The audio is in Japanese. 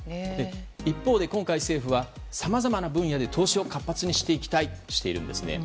一方で今回、政府はさまざまな分野で投資を活発にしていきたいとしているんですね。